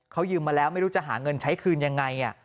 เขายืมมาแล้วไม่รู้จะหาเงินใช้คืนยังไง